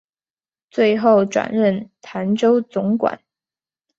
最后转任澶州总管。